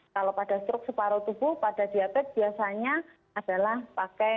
kalau pada struk separuh tubuh pada diabetes biasanya adalah pakai